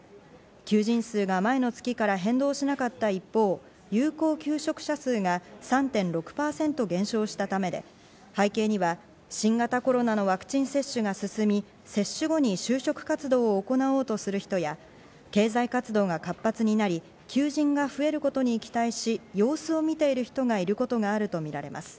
求人数が前の月から変動しなかった一方、有効求職者数が３．６％減少したためで、背景には新型コロナのワクチン接種が進み、接種後に就職活動を行おうとする人や経済活動が活発になり、求人が増えることに期待し様子を見ている人がいることがあるとみられます。